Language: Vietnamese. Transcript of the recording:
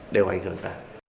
đều ảnh hưởng ta